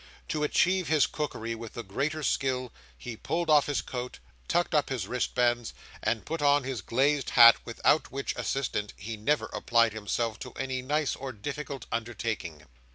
To achieve his cookery with the greater skill, he pulled off his coat, tucked up his wristbands, and put on his glazed hat, without which assistant he never applied himself to any nice or difficult undertaking.